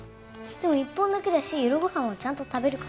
でも１本だけだし夜ご飯はちゃんと食べるから。